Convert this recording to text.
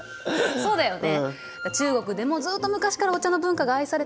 そうだよね。